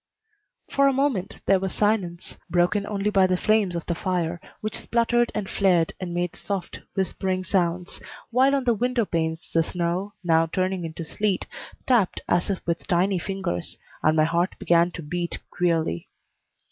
For a moment there was silence, broken only by the flames of the fire, which spluttered and flared and made soft, whispering sounds, while on the window panes the snow, now turning into sleet, tapped as if with tiny fingers, and my heart began to beat queerly.